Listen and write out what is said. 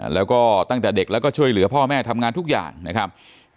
แล้วก็ตั้งแต่เด็กแล้วก็ช่วยเหลือพ่อแม่ทำงานทุกอย่างนะครับ